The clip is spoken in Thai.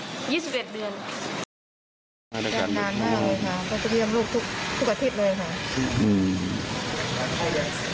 นานหน้าเลยค่ะเพราะจะเตรียมรูปทุกอาทิตย์เลยค่ะ